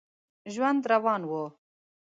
ژوند روان و.